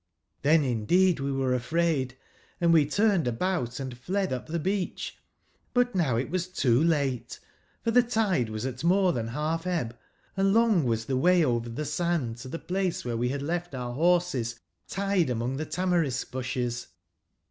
TIbcn indeed were we afraid, and we turned about and fled up tbe beacb ; but nowitwas too late, for tbe tide was at more tban balf ebb and longwas tbe way over tbe sand to tbe place wbere we bad left our borses tied among tbe tamarisk/busbes.